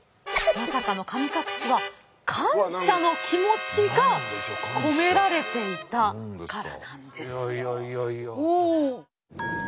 まさかの神隠しは感謝の気持ちが込められていたからなんです。